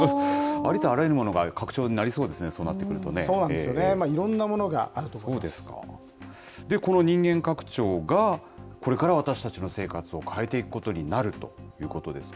ありとあらゆるものが拡張になりそうですね、そうなってくるいろんなものがあると思いまこの人間拡張が、これから私たちの生活を変えていくことになるということですか。